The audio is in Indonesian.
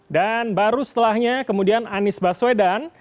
dan baru setelahnya kemudian anies baswedan